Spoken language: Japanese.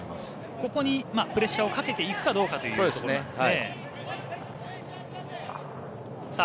ここにプレッシャーをかけていくかどうかですね。